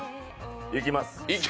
いきます。